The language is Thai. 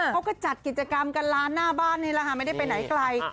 เขาก็จัดกิจกรรมกันร้านหน้าบ้านนี่แหละค่ะไม่ได้ไปไหนไกล